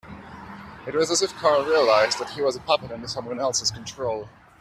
It was as if Carl realised that he was a puppet under someone else's control.